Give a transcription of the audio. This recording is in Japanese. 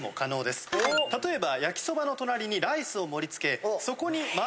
例えば。